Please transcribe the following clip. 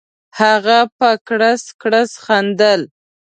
هغه په کړس کړس خندل.